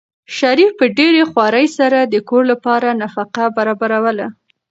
شریف په ډېرې خوارۍ سره د کور لپاره نفقه برابروله.